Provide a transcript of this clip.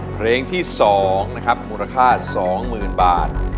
เพลงที่สองนะครับมูลค่าสองหมื่นบาท